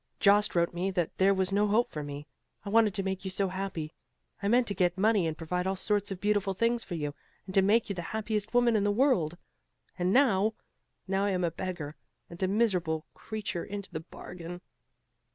Jost wrote me that there was no hope for me. I wanted to make you so happy I meant to get money and provide all sorts of beautiful things for you and to make you the happiest woman in the world. And now! now I am a beggar, and a miserable creature into the bargain."